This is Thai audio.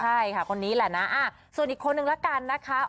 ใช่ค่ะคนนี้แหละนะส่วนอีกคนนึงละกันนะคะ